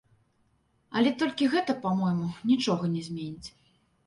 Але толькі гэта, па-мойму, нічога не зменіць.